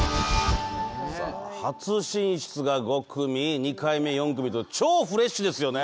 初進出が５組、２回目４組と超フレッシュですよね。